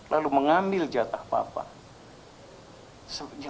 lalu mengambil jatah papa